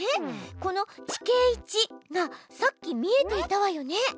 この「地形１」がさっき見えていたわよね。